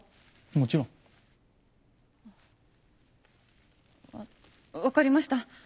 もちろん。わ分かりました。